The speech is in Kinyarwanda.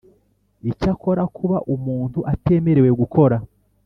Icyakora kuba umuntu atemerewe gukora